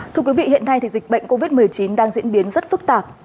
thưa quý vị hiện nay dịch bệnh covid một mươi chín đang diễn biến rất phức tạp